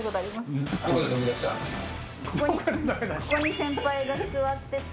ここに先輩が座ってて。